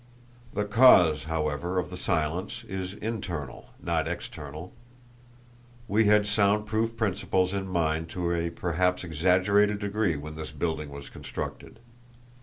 The cause, however, of the silence is internal, not external; we had sound proof principles in mind to a perhaps exaggerated degree when this building was constructed.